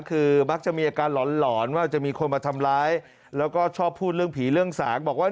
คือมักจะมีอาการหลอนหลอนว่าจะมีคนมาทำร้ายแล้วก็ชอบพูดเรื่องผีเรื่องสางบอกว่า